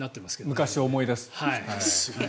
昔を思い出す。